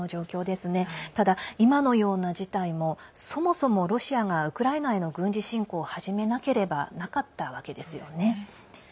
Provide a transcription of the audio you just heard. ただ、今のような事態もそもそもロシアがウクライナへの軍事侵攻を始めなければなかったわけですよね。